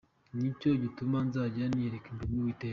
Ni cyo gituma nzajya niyereka imbere y’Uwiteka.